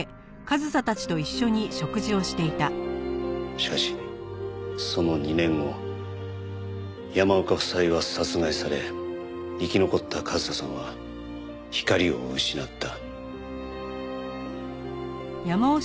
しかしその２年後山岡夫妻は殺害され生き残った和沙さんは光を失った。